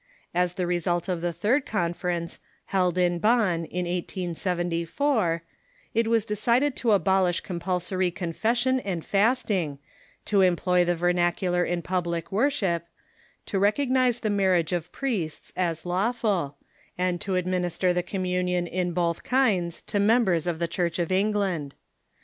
As the result of the third conference, held in Bonn, in 1874, it was decided to abolish compulsory confession and fasting, to era ploy the vernacular in public worship, to recognize the mar riage of priests as lawful, and to administer the Communion in both kinds to members of the Church of England.